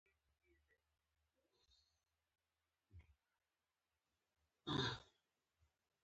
په کلتوري او نورو ډګرونو کې پر ځان متکي وي.